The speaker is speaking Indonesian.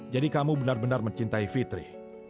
jadi kamu benar benar mencintai fitri